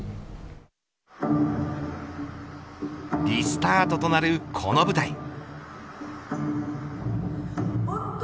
リスタートとなるこの舞台。